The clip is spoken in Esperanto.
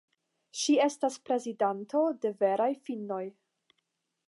Ŝi estas prezidanto de Veraj finnoj.